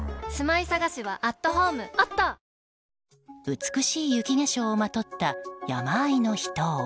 美しい雪化粧をまとった山あいの秘湯。